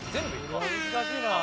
難しいな。